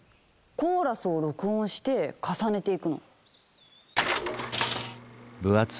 コーラスを録音して重ねていくの。